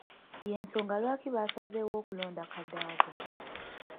Y’ensonga lwaki baasazeewo okulonda Kadaga.